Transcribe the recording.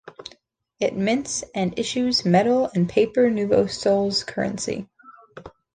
It mints and issues metal and paper nuevos soles currency.